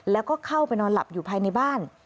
แล้วก็เข้าไปนอนหลับอยู่ภายในบ้าน